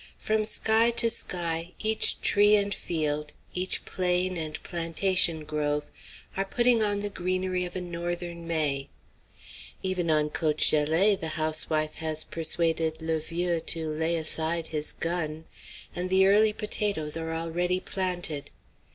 From sky to sky, each tree and field, each plain and plantation grove, are putting on the greenery of a Northern May. Even on Côte Gelée the housewife has persuaded le vieux to lay aside his gun, and the early potatoes are already planted.